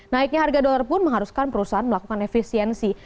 naiknya harga dolar pun mengharuskan perusahaan melakukan efisiensi